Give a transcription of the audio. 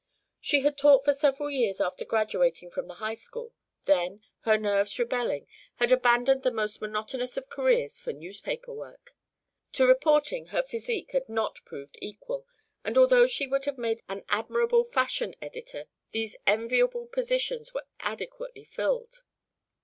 She had taught for several years after graduating from the High School; then, her nerves rebelling, had abandoned this most monotonous of careers for newspaper work. To reporting her physique had not proved equal, and although she would have made an admirable fashion editor these enviable positions were adequately filled.